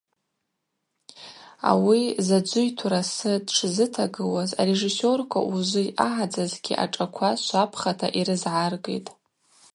Ауи заджвы йтурасы дшзытагылуаз арежиссерква ужвы йъагӏадзазгьи ашӏаква швапхата йрызгӏаргитӏ.